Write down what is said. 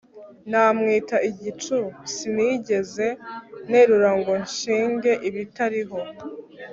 namwita igicucu sinigeze nterura ngo nshinge ibitariho